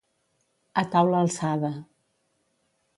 A taula alçada.